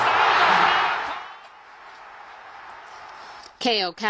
スリーアウト。